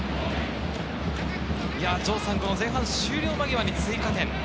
城さん、前半終了間際に追加点。